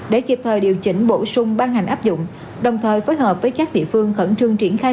để kịp thời điều chỉnh bổ sung ban hành áp dụng đồng thời phối hợp với các địa phương khẩn trương triển khai